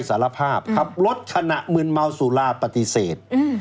สารภาพขับรถขณะมืนเมาสุราปฏิเสธ